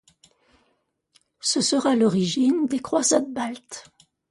Ce sera l’origine des croisades baltes.